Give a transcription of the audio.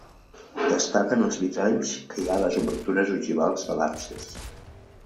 Destaquen els vitralls que hi ha a les obertures ogivals de l'absis.